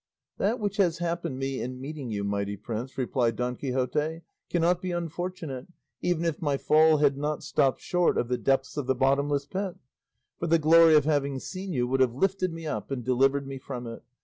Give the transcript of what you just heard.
"That which has happened me in meeting you, mighty prince," replied Don Quixote, "cannot be unfortunate, even if my fall had not stopped short of the depths of the bottomless pit, for the glory of having seen you would have lifted me up and delivered me from it.